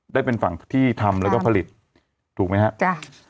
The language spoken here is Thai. ได้เป็นฝั่งที่ทำแล้วก็ผลิตถูกไหมฮะจ้ะ